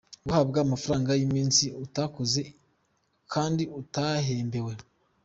Guhabwa amafaranga y’iminsi utakoze kandi utahembewe.